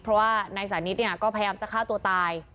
เพราะว่านายสานิทเนี่ยก็พยายามจะฆ่าตัวตาย